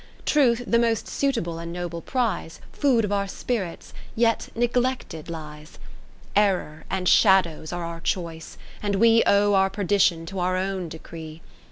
Truth, the most suitable and noble prize. Food of our spirits, yet neglected lies. 50 Error and shadows are our choice, and we Owe our perdition to our own decree.